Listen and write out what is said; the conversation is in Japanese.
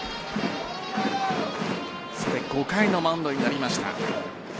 ５回のマウンドになりました。